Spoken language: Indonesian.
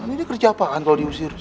ini kerja apaan kalo diusir